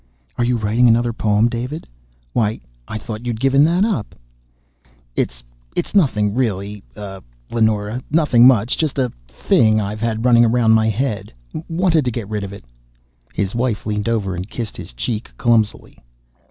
"Are you writing another poem, David? Why, I thought you'd given that up!" "It's ... it's nothing, really, uh ... Leonora. Nothing much. Just a ... a thing I've had running around my head. Wanted to get rid of it." His wife leaned over and kissed his cheek clumsily.